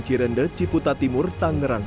cirende ciputa timur tangerang